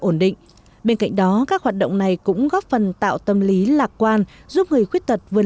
ổn định bên cạnh đó các hoạt động này cũng góp phần tạo tâm lý lạc quan giúp người khuyết tật vươn